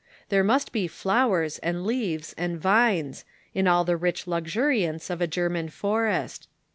There must be flowers and leaves and vines, in all the rich luxuriance of a German forest.